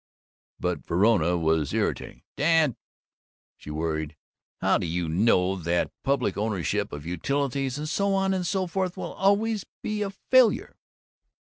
But Verona was irritating. "Dad," she worried, "how do you know that public ownership of utilities and so on and so forth will always be a failure?"